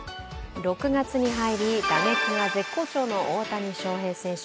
６月に入り、打撃が絶好調の大谷翔平選手。